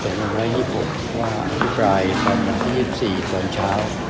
ต้องลงไว้๒๖ว่าอันที่ปลายตอน๒๔ตอนเช้า